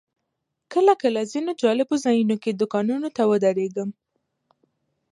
کله کله ځینو جالبو ځایونو او دوکانونو ته ودرېږم.